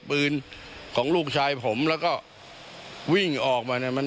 พูดพื้นกับปืนของลูกชายผมและก็วิ่งออกมา